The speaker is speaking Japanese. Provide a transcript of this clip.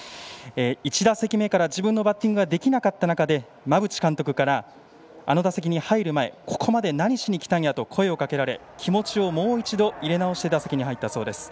１打席目から自分のバッティングができなかったなかで馬淵監督からあの打席に入る前ここまで何しに来たんやと声をかけられ、気持ちをもう一度入れなおして打席に入ったそうです。